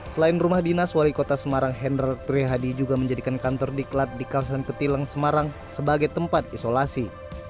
selain rumah dinas wali kota semarang hendral prihadi juga menjadikan kantor diklat di kawasan ketilang semarang sebagai tempat isolasi